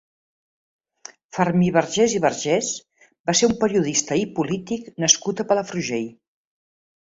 Fermí Vergés i Vergés va ser un periodista i polític nascut a Palafrugell.